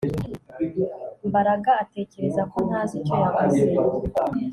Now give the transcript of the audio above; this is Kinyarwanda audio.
Mbaraga atekereza ko ntazi icyo yavuze